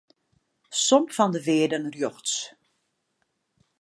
Som fan de wearden rjochts.